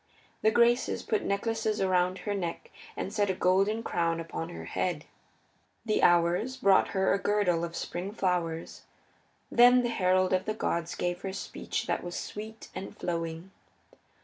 The Graces put necklaces around her neck and set a golden crown upon her head. The Hours brought her a girdle of spring flowers. Then the herald of the gods gave her speech that was sweet and flowing.